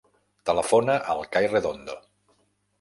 Telefona al Kai Redondo.